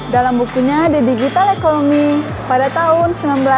dalam bukunya the digital economy pada tahun seribu sembilan ratus sembilan puluh